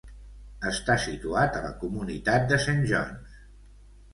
Està situat a la comunitat de St. Johns.